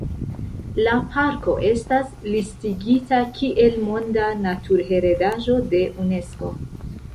La parko estas listigita kiel Monda Naturheredaĵo de Unesko.